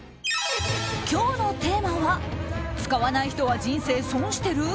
今日のテーマは使わない人は人生損してる？